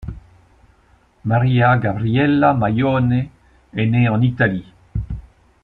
Maria Gabriella Maione est née en Italie.